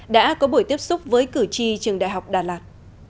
đã có buổi tiếp xúc với cử tri trường đại học đà lạt